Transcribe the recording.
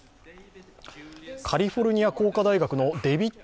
カリフォルニア工科大学のデービッド